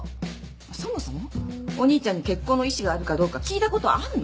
そもそもお兄ちゃんに結婚の意思があるかどうか聞いたことあんの？